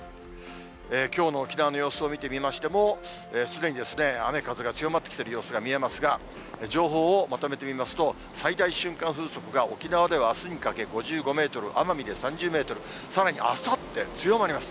きょうの沖縄の様子を見てみましても、すでに雨風が強まってきてる様子が見えますが、情報をまとめてみますと、最大瞬間風速が沖縄ではあすにかけ５５メートル、奄美で３０メートル、さらにあさって、強まります。